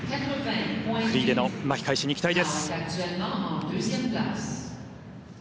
フリーでの巻き返しに期待です。